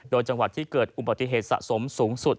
โดยจังหวัดที่เกิดอุบัติเหตุสะสมสูงสุด